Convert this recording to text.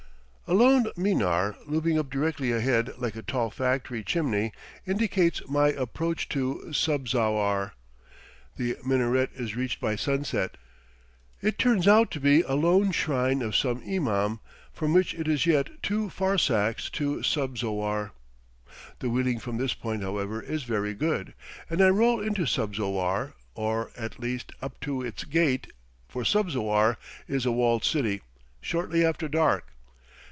A lone minar, looming up directly ahead like a tall factory chimney, indicates my approach to Subzowar. The minaret is reached by sunset; it turns out to be a lone shrine of some imam, from which it is yet two farsakhs to Subzowar. The wheeling from this point, however, is very good, and I roll into Subzowar, or, at least, up to its gate, for Subzowar is a walled city, shortly after dark.